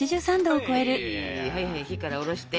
はいはい火から下ろして。